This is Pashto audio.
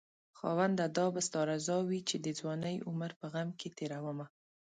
خاونده دا به ستا رضاوي چې دځوانۍ عمر په غم کې تيرومه